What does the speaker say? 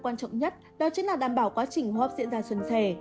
nhất đó chính là đảm bảo quá trình hô hấp diễn ra xuân thể